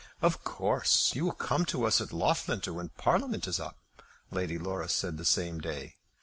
"Of course you will come to us at Loughlinter when Parliament is up?" Lady Laura said the same day.